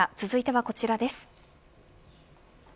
続いてはこちらです。